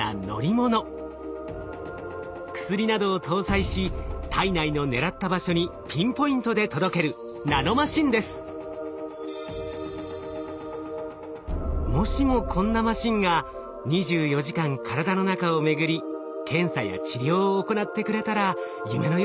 薬などを搭載し体内の狙った場所にピンポイントで届けるもしもこんなマシンが２４時間体の中を巡り検査や治療を行ってくれたら夢のようですよね。